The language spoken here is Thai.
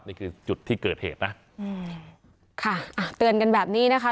นี่คือจุดที่เกิดเหตุนะอืมค่ะอ่ะเตือนกันแบบนี้นะคะ